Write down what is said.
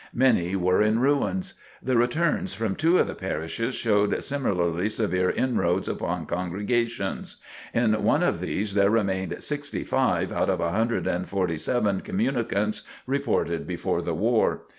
Many were in ruins. The returns from two of the parishes showed similarly severe inroads upon congregations. In one of these there remained 65 out of 147 communicants reported before the war.